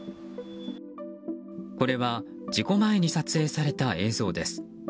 これは、事故前に撮影された映像です。